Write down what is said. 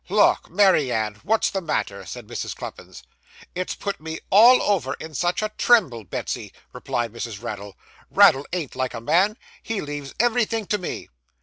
'Lauk, Mary Ann! what's the matter?' said Mrs. Cluppins. 'It's put me all over in such a tremble, Betsy,' replied Mrs. Raddle. 'Raddle ain't like a man; he leaves everythink to me.